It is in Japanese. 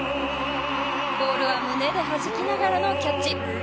ボールは胸ではじきながらのキャッチ。